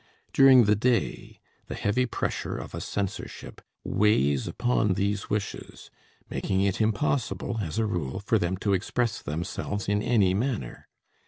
During the day the heavy pressure of a censorship weighs upon these wishes, making it impossible, as a rule, for them to express themselves in any manner.